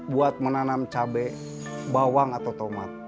buat menanam cabai bawang atau tomat